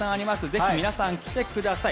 ぜひ皆さん来てください。